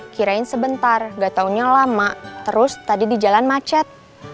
kirain sebentar gak taunya lama terus tadi di jalan macet